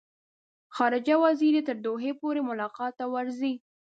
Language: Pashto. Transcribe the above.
خارجه وزیر یې تر دوحې پورې ملاقات ته ورځي.